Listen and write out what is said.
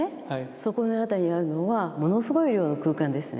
そこの辺りにあるのはものすごい量の空間ですね。